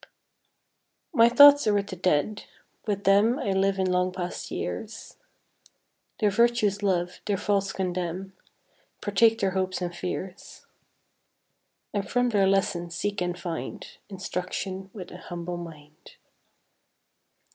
My thoughts are with the Dead; with them I live in long past years, Their virtues love, their faults condemn, Partake their hopes and fears, And from their lessons seek and find Instruction with an humble mind.